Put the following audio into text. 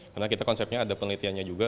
karena kita konsepnya ada penelitiannya juga